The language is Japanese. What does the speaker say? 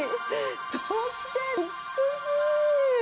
そして美しい！